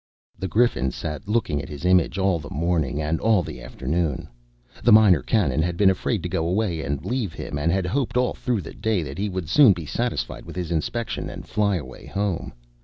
The Griffin sat looking at his image all the morning and all the afternoon. The Minor Canon had been afraid to go away and leave him, and had hoped all through the day that he would soon be satisfied with his inspection and fly away home.